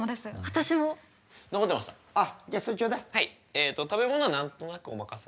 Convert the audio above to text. えっと食べ物何となくお任せ？